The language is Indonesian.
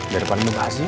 daripada muka sih